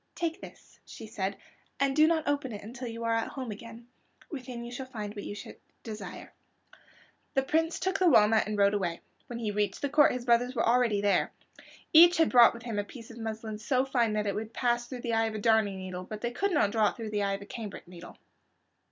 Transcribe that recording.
"Take this," she said, "and do not open it until you are at home again. Within it you will find what you desire." The Prince took the walnut and rode away. When he reached the court his brothers were already there. Each had brought with him a piece of muslin so fine that it would pass through the eye of a darning needle, but they could not draw it through the eye of a cambric needle.